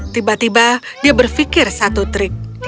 tiba tiba dia berpikir satu trik